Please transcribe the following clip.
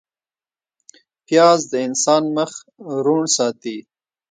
پیاز د انسان مخ روڼ ساتي